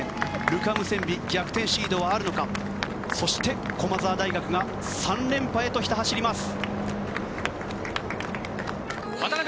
ルカ・ムセンビ逆転シードはあるのかそして、駒澤大学が３連覇へとひた走ります。